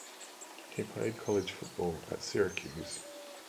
He played college football at Syracuse.